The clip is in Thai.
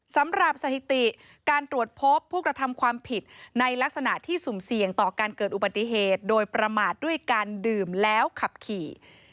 สำหรับสถิติการตรวจพบผู้กระทำความผิดในลักษณะที่สุ่มเสี่ยงต่อการเกิดอุบัติเหตุโดยประมาทด้วยการดื่มแล้วขับขี่